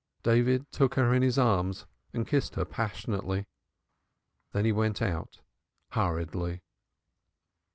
David took her in his arms and kissed her passionately. Then he went out hurriedly.